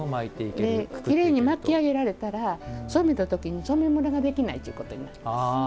きれいに巻き上げられたら染めた時に染めむらができないことになります。